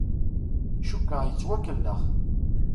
Cukkeɣ yettwakellex.